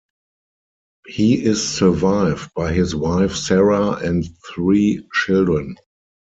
He is survived by his wife Sara and three children.